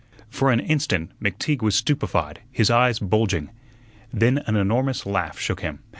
For an instant McTeague was stupefied, his eyes bulging. Then an enormous laugh shook him.